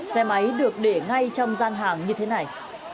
xe máy được để ngay trong gian hàng như thế này